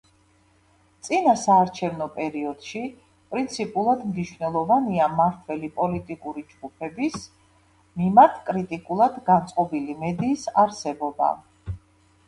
წინასაარჩევნო პერიოდში პრინციპულად მნიშვნელოვანია, მმართველი პოლიტიკური ჯგუფების მიმართ კრიტიკულად განწყობილი მედიის არსებობა.